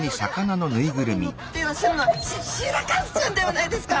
頭にのってらっしゃるのはシシーラカンスちゃんではないですか！？